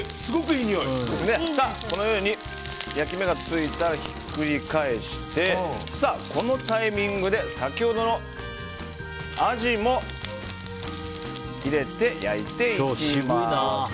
このように焼き目がついたらひっくり返してこのタイミングで先ほどのアジも入れて焼いていきます。